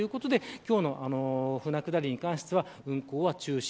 今日の舟下りに関しては運航は中止。